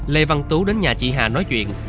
lê văn tú đến nhà chị hà nói chuyện